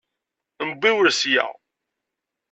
Mbiwel sya!